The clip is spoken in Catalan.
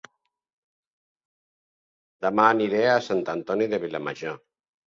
Dema aniré a Sant Antoni de Vilamajor